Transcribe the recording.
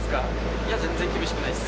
いや、全然厳しくないです。